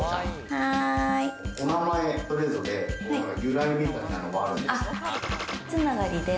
お名前それぞれ、由来みたいなのもあるんですか？